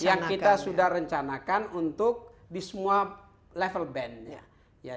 yang kita sudah rencanakan untuk di semua level ban